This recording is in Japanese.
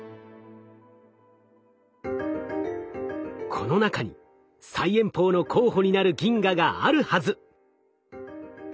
この中に最遠方の候補になる銀河があるはず！